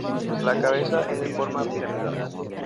La cabeza es de forma piramidal.